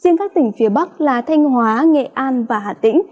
riêng các tỉnh phía bắc là thanh hóa nghệ an và hà tĩnh